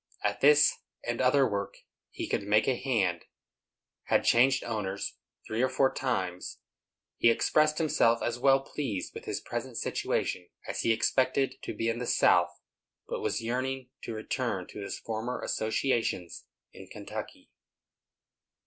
At this and other work he could "make a hand;" had changed owners three or four times. He expressed himself as well pleased with his present situation as he expected to be in the South, but was yearning to return to his former associations in Kentucky.